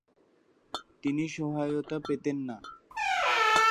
তিনি সহায়তা পেতেন না।